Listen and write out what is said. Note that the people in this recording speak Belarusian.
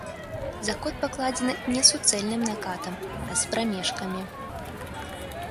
Закот пакладзены не суцэльным накатам, а з прамежкамі.